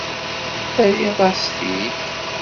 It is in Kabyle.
Terriḍ-as-t-id.